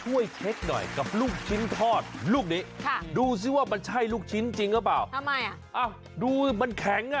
ว่ะซิดิไม่ด้วย